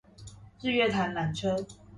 日月潭纜車